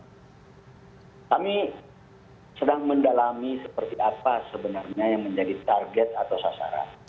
kami sedang mendalami seperti apa sebenarnya yang menjadi target atau sasaran